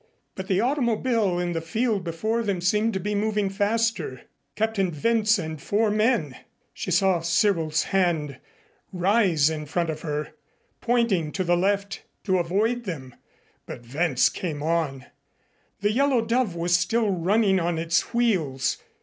But the automobile in the field before them seemed to be moving faster Captain Wentz and four men! She saw Cyril's hand rise in front of her, pointing to the left to avoid them, but Wentz came on. The Yellow Dove was still running on its wheels.